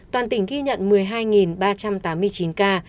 toàn tỉnh ghi nhận một mươi hai ba trăm tám mươi chín ca